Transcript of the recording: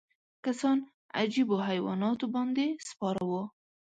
کسان عجیبو حیواناتو باندې سپاره وو.